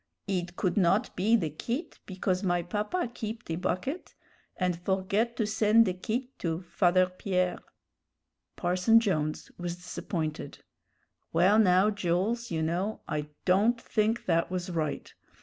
Id could not be the quitte, because my papa keep the bucket, an' forget to sen' the quitte to Father Pierre." Parson Jones was disappointed. "Well, now, Jools, you know, I don't think that was right.